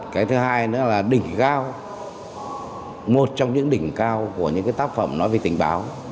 cái thứ hai nữa là đỉnh cao một trong những đỉnh cao của những tác phẩm nói về tình báo